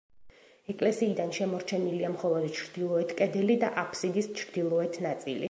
ეკლესიიდან შემორჩენილია მხოლოდ ჩრდილოეთ კედელი და აფსიდის ჩრდილოეთ ნაწილი.